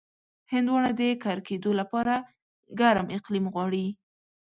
هندوانه د کر کېدو لپاره ګرم اقلیم غواړي.